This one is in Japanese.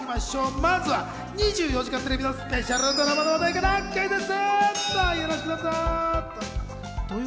まずは『２４時間テレビ』のスペシャルドラマの話題からクイズッス。